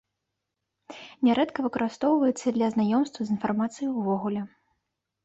Нярэдка выкарыстоўваецца для знаёмства з інфармацыяй увогуле.